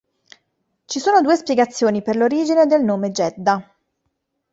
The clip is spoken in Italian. Ci sono due spiegazioni per l'origine del nome "Gedda".